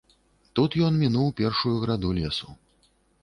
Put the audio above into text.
Тут ён мінуў першую граду лесу.